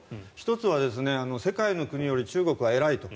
１つは世界の国より中国は偉いと。